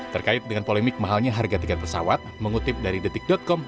terkait dengan polemik mahalnya harga tiket pesawat mengutip dari detik com